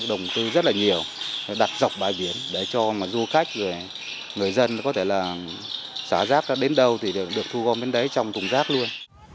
đồng tư rất là nhiều đặt dọc bãi biển để cho du khách người dân có thể là xá rác đến đâu thì được thu gom đến đấy trong thùng rác luôn